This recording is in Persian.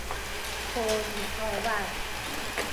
حزن آور